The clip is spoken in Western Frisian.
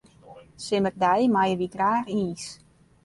Simmerdei meie wy graach iis.